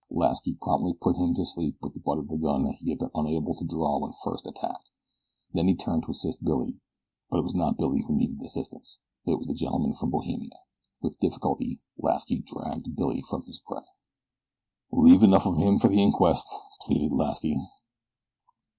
Lasky promptly put him to sleep with the butt of the gun that he had been unable to draw when first attacked, then he turned to assist Billy. But it was not Billy who needed assistance it was the gentleman from Bohemia. With difficulty Lasky dragged Billy from his prey. "Leave enough of him for the inquest," pleaded Lasky.